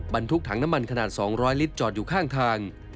บรรทุกถังน้ำมันขนาด๒๐๐ลิตรจอดอยู่ข้างทาง